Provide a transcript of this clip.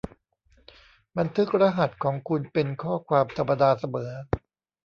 บันทึกรหัสของคุณเป็นข้อความธรรมดาเสมอ